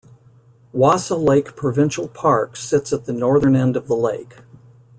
Wasa Lake Provincial Park sits at the northern end of the lake.